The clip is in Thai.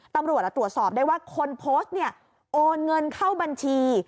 ตำรวจตรวจสอบได้ว่าคนโพสต์เนี่ยโอนเงินเข้าบัญชี